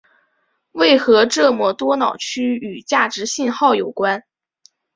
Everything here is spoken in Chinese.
为何这么多脑区与价值信号有关。